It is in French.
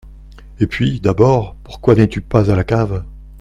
Et puis, d'abord, pourquoi n'es-tu pas à la cave ?